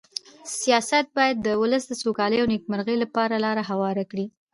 سیاست باید د ولس د سوکالۍ او نېکمرغۍ لپاره لاره هواره کړي.